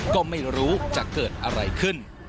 ก็ไม่รู้จะเกิดอะไรขึ้น